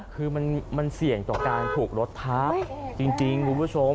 คือมันเสี่ยงต่อการถูกรถทับจริงคุณผู้ชม